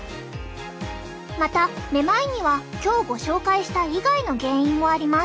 まためまいには今日ご紹介した以外の原因もあります。